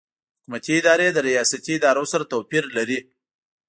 حکومتي ادارې له ریاستي ادارو سره توپیر لري.